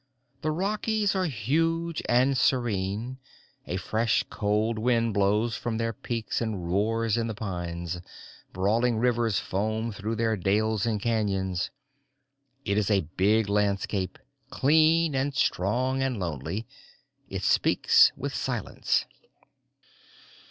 The Rockies are huge and serene, a fresh cold wind blows from their peaks and roars in the pines, brawling rivers foam through their dales and canyons it is a big landscape, clean and strong and lonely. It speaks with silence.